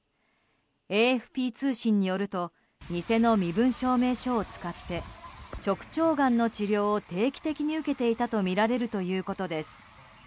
ＡＦＰ通信によると偽の身分証明書を使って直腸がんの治療を定期的に受けていたとみられるということです。